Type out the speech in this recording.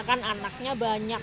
kan anaknya banyak